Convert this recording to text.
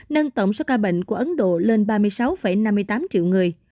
nâng tổng số ca bệnh của ấn độ lên ba mươi sáu năm mươi tám triệu người